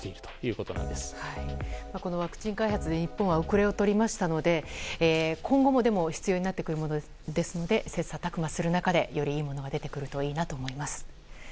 このワクチン開発で日本は後れを取りましたので今後も必要になってくるものですので切磋琢磨する中でよりいいものが出てくるといいなと思います。